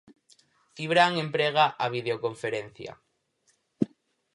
Cibrán emprega a videoconferencia.